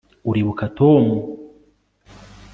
uribuka tom